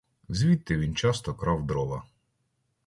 Звідти він часто крав дрова.